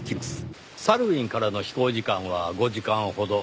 サルウィンからの飛行時間は５時間ほど。